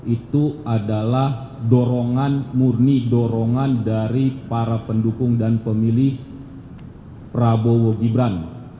itu adalah dorongan murni dorongan dari para pendukung dan pemilih prabowo gibran